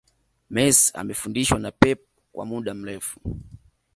Messi amefundishwa na pep kwa muda mrefu